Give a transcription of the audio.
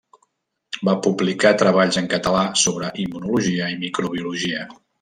Va publicar treballs en català sobre immunologia i microbiologia.